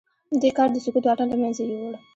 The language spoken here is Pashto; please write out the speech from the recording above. دې کار د سکوت واټن له منځه يووړ.